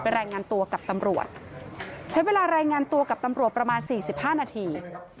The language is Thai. รายงานตัวกับตำรวจใช้เวลารายงานตัวกับตำรวจประมาณสี่สิบห้านาที